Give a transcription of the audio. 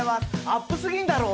アップ過ぎんだろ！